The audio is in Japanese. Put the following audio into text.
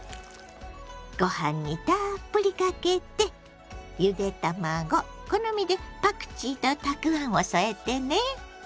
ご飯にたっぷりかけてゆで卵好みでパクチーとたくあんを添えてね。